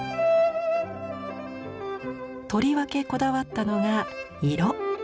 とりわけこだわったのが色。